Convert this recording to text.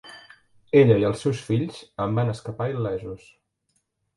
Ella i els seus fills en van escapar il·lesos.